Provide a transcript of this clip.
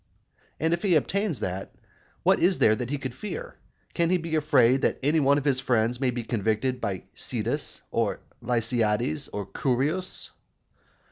And if he obtains that, what is there that he can fear? can he be afraid that any one of his friends may be convicted by Cydas, or Lysiades, or Curius?